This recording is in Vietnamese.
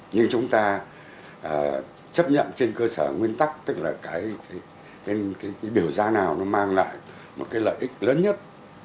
nhưng chúng ta chấp nhận trên cơ sở nguyên tắc tức là cái biểu giá nào nó mang lại một cái lợi ích lớn nhất